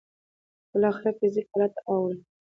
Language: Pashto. بالاخره فزيکي حالت ته اوړي.